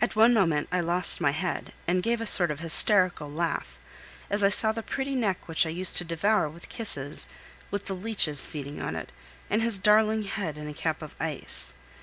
At one moment I lost my head, and gave a sort of hysterical laugh, as I saw the pretty neck which I used to devour with kisses, with the leeches feeding on it, and his darling head in a cap of ice.